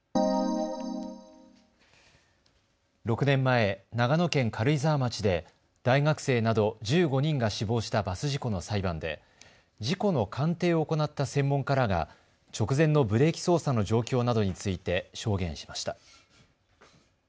６年前、長野県軽井沢町で大学生など１５人が死亡したバス事故の裁判で事故の鑑定を行った専門家らが直前のブレーキ操作の状況などについて証言しました。